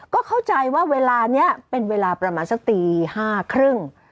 ก็เข้าใจว่าเวลานี้เป็นเวลาประมาณสักตี๕๓๐